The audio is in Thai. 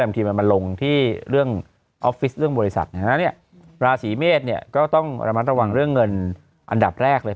บางทีมันมาลงที่เรื่องออฟฟิศเรื่องบริษัทนั้นราศีเมษเนี่ยก็ต้องระมัดระวังเรื่องเงินอันดับแรกเลย